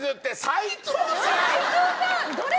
齋藤さん！